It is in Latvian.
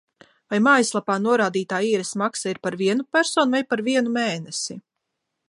Vai mājaslapā norādītā īres maksa ir par vienu personu vai par vienu mēnesi?